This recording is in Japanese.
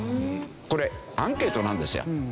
これアンケートなんですよ。